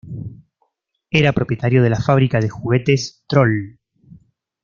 Era propietario de la fábrica de juguetes Trol.